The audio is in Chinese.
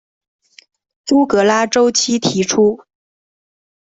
朱格拉周期提出。